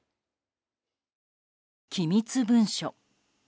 機密文書。